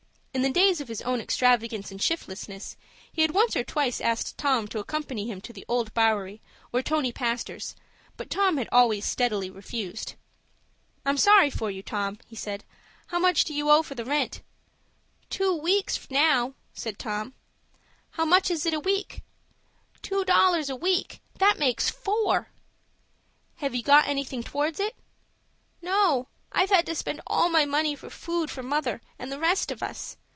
In the days of his own extravagance and shiftlessness he had once or twice asked Tom to accompany him to the Old Bowery or Tony Pastor's, but Tom had always steadily refused. "I'm sorry for you, Tom," he said. "How much do you owe for rent?" "Two weeks now," said Tom. "How much is it a week?" "Two dollars a week—that makes four." "Have you got anything towards it?" "No; I've had to spend all my money for food for mother and the rest of us.